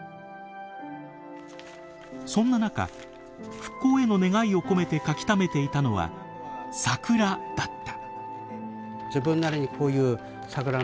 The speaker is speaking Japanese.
そんな中復興への願いを込めて描きためていたのは桜だった。